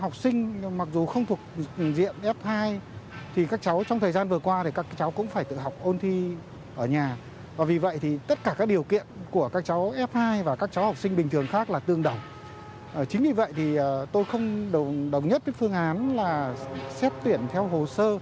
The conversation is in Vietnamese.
chính vì vậy thì tôi không đồng nhất với phương án là xét tuyển theo hồ sơ